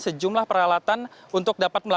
sejumlah peralatan untuk dapat